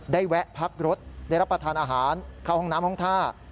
แวะพักรถได้รับประทานอาหารเข้าห้องน้ำห้องท่า